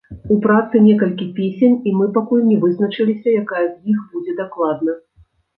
У працы некалькі песень, і мы пакуль не вызначыліся, якая з іх будзе дакладна.